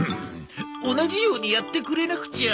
同じようにやってくれなくちゃ！